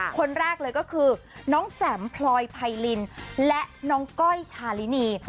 คนแรกเลยก็คือน้องแจ๋มพลอยไพรินและน้องก้อยชาลินี